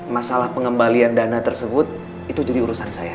masalah pengembalian dana tersebut itu jadi urusan saya